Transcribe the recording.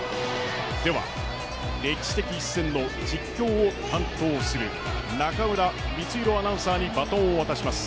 では歴史的一戦の実況を担当する中村光宏アナウンサーにバトンを渡します。